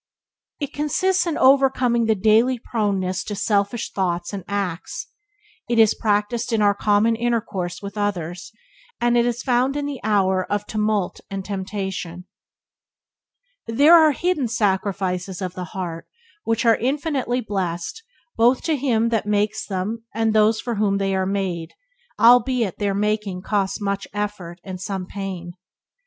It consists in overcoming the daily proneness to selfish thoughts and acts; it is practiced in our common intercourse with others; and it is found in the hour of tumult and temptation. There are hidden sacrifices of the heart which are infinitely blessed both to him that makes them and those for whom they are made, albeit their making costs much effort and some pain.